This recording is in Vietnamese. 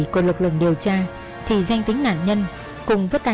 chúc ph retract được